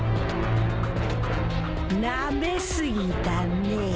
なめすぎたねぇ。